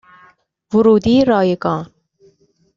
ورودی رایگان